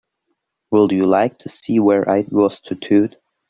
Would you like to see where I was tattooed?